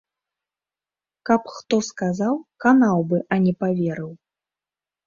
Каб хто сказаў, канаў бы, а не паверыў.